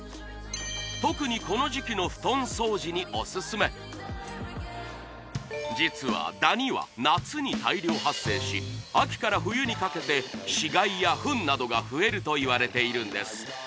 特にこの時期の布団掃除におすすめ実はダニは夏に大量発生し秋から冬にかけて死骸やフンなどが増えるといわれているんです